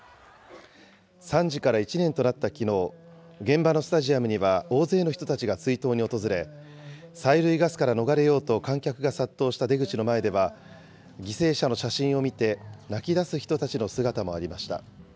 惨事から１年となったきのう、現場のスタジアムには大勢の人たちが追悼に訪れ、催涙ガスから逃れようと観客が殺到した出口の前では、犠牲者の写真を見て泣きだす人たちの姿もありました。